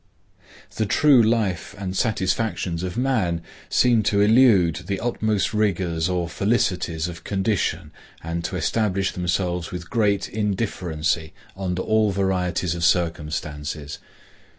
The true life and satisfactions of man seem to elude the utmost rigors or felicities of condition and to establish themselves with great indifferency under all varieties of circumstances.